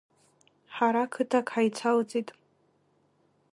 Ҳара қыҭак ҳаицалҵит…